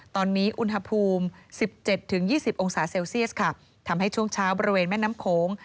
ตอนนี้อุณหภูมิสิบเจ็ดถึงยี่สิบองศาเซลเซลเซียสค่ะทำให้ช่วงเช้าบริเวณแม่น้ำโขง